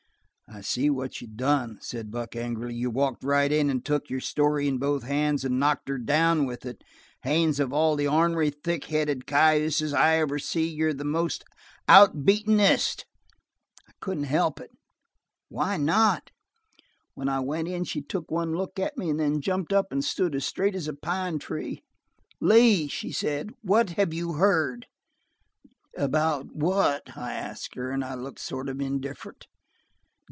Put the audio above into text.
"I see what you done," said Buck angrily. "You walked right in and took your story in both hands and knocked her down with it. Haines, of all the ornery, thick headed cayuses I ever see, you're the most out beatin'est!" "I couldn't help it." "Why not?" "When I went in she took one look at me and then jumped up and stood as straight as a pine tree. "'Lee,' she said, 'what have you heard?'" "'About what?' I asked her, and I looked sort of indifferent."